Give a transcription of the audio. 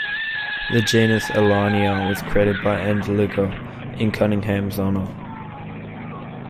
The genus "Alania" was created by Endlicher in Cunningham's honour.